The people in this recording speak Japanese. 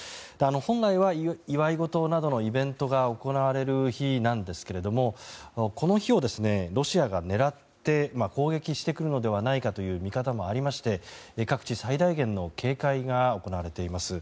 本来は祝い事などのイベントが行われる日なんですがこの日をロシアが狙って攻撃してくるのではないかという見方もありまして各地最大限の警戒が行われています。